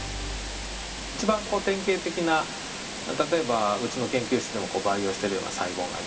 一番こう典型的な例えばうちの研究室でも培養しているような細胞があります。